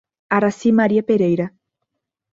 Aracy Maria Pereira